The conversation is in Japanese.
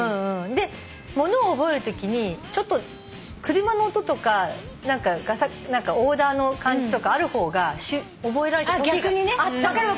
ものを覚えるときにちょっと車の音とかオーダーの感じとかある方が覚えられたときがあったの。